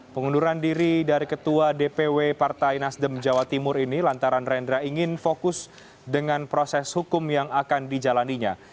pengunduran diri dari ketua dpw partai nasdem jawa timur ini lantaran rendra ingin fokus dengan proses hukum yang akan dijalannya